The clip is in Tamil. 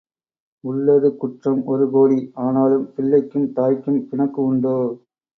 உள்ளது குற்றம் ஒரு கோடி ஆனாலும் பிள்ளைக்கும் தாய்க்கும் பிணக்கு உண்டோ?